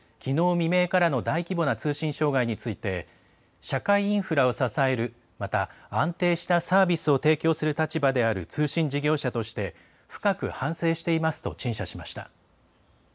未明からの大規模な通信障害について社会インフラを支える、また安定したサービスを提供する立場である通信事業者として深く反省していますと陳謝しました。